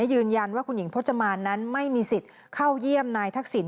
ยืนยันว่าคุณหญิงพจมานนั้นไม่มีสิทธิ์เข้าเยี่ยมนายทักษิณ